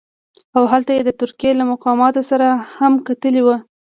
او هلته یې د ترکیې له مقاماتو سره هم کتلي وو.